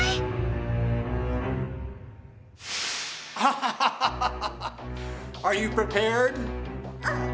ハハハハハハハ。